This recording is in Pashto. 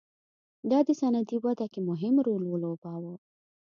دا د صنعتي وده کې مهم رول ولوباوه.